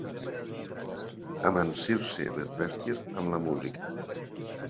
Amansir-se les bèsties amb la música.